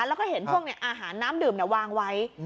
แล้วก็เห็นพวกเนี่ยอาหารน้ำดื่มเนี่ยวางไว้